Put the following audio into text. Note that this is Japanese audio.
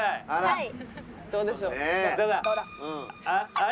はい。